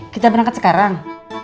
kita berangkat sekarang